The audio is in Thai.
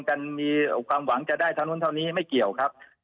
กันมีความหวังจะได้เท่านู้นเท่านี้ไม่เกี่ยวครับ